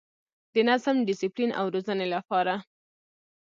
د نظم، ډسپلین او روزنې لپاره